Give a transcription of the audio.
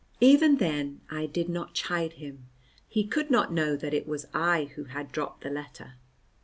Even then I did not chide him. He could not know that it was I who had dropped the letter.